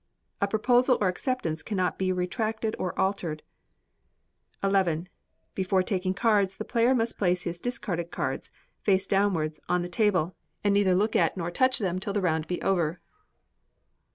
A proposal or acceptance cannot be retracted or altered. xi. Before taking cards, the player must place his discarded cards, face downwards, on the table, and neither look at or touch them till the round be over.